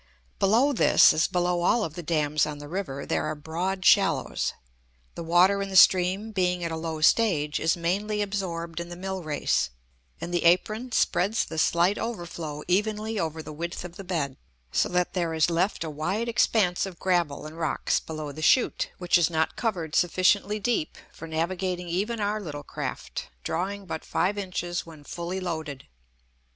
Below this, as below all of the dams on the river, there are broad shallows. The water in the stream, being at a low stage, is mainly absorbed in the mill race, and the apron spreads the slight overflow evenly over the width of the bed, so that there is left a wide expanse of gravel and rocks below the chute, which is not covered sufficiently deep for navigating even our little craft, drawing but five inches when fully loaded.